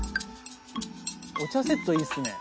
お茶セットいいっすね。